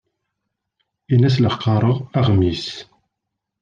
Ini-as la qqareɣ aɣmis.